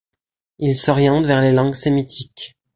Il s'oriente vers les langues sémitiques.